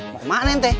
mau ke mana ente